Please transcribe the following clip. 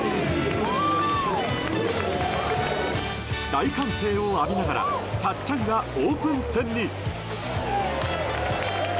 大歓声を浴びながらたっちゃんがオープン戦に。